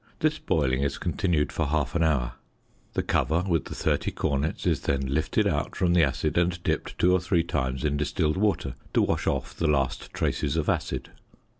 This boiling is continued for half an hour. The cover with the 30 cornets is then lifted out from the acid and dipped two or three times in distilled water to wash off the last traces of acid.